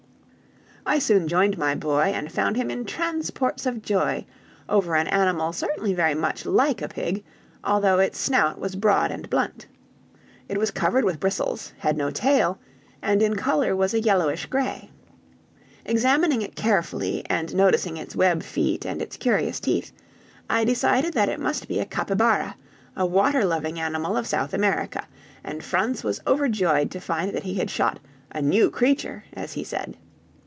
I soon joined my boy, and found him in transports of joy over an animal certainly very much like a pig, although its snout was broad and blunt. It was covered with bristles, had no tail, and in color was a yellowish gray. Examining it carefully, and noticing its webb feet and its curious teeth, I decided that it must be a capybara, a water loving animal of South America, and Franz was overjoyed to find that he had shot "a new creature," as he said.